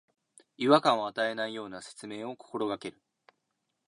違和感を与えないような説明を心がける